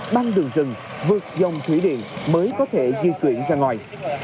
băng đường rừng vượt dòng thủy điện mới có thể di chuyển ra ngoài